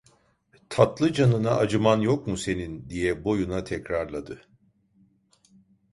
Tatlı canına acıman yok mu senin? diye boyuna tekrarladı.